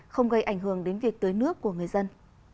không gây ảnh hưởng đến việc tưới nước của người dân